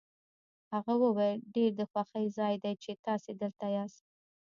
هغه وویل ډېر د خوښۍ ځای دی چې تاسي دلته یاست.